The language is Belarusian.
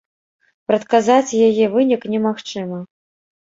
Прадказаць яе вынік немагчыма.